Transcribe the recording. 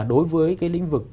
đối với cái lĩnh vực